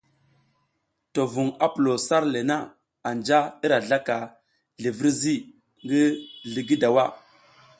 To vuŋ pulo sar le na anja i ra zlaka zlivirzi ngi zlǝga dawa.